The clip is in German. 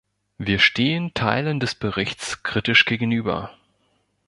Wir stehen Teilen des Berichts kritisch gegenüber.